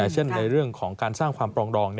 เช่นในเรื่องของการสร้างความปรองดอง